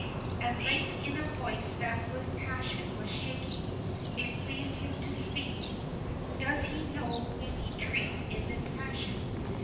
At length in a voice that with passion was shaking, it pleased him to speak: "Does he know whom he treats in this fashion?